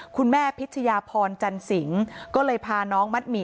คุณแม่ภิทยาพรจันสิงก็เลยพาน้องมัดมี่